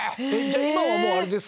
じゃあ今はもうあれですか？